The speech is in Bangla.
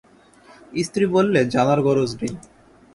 স্ত্রী বললে, জানার গরজ নেই।